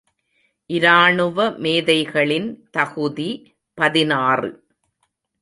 இராணுவமேதைகளின் தகுதி பதினாறு .